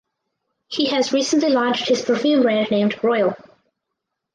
He has recently launched his perfume brand named "Royal".